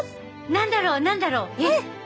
何だろう何だろう？えっ？